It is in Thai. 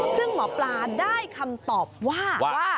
ซึ่งหมอปลาได้คำตอบว่าว่า